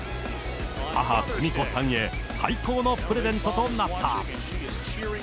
母、久美子さんへ、最高のプレゼントとなった。